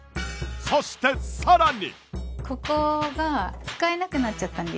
そしてさらに